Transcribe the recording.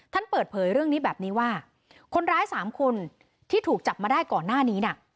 ท่านเปิดเผยเรื่องนี้แบบนี้ว่าคนร้ายสามคนที่ถูกจับมาได้ก่อนหน้านี้น่ะ